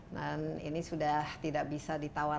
dan ini sudah tidak bisa dikawal